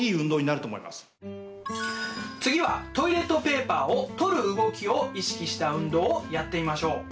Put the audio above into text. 次はトイレットペーパーを取る動きを意識した運動をやってみましょう。